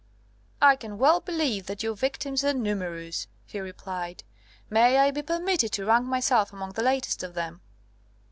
"I can well believe that your victims are numerous," he replied; "may I be permitted to rank myself among the latest of them?"